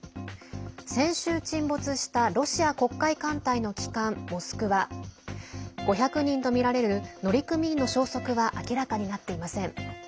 先週、沈没したロシア黒海艦隊の旗艦「モスクワ」。５００人とみられる乗組員の消息は明らかになっていません。